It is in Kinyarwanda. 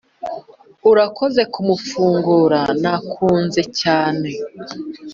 urakoze kumafunguro nakunze cyane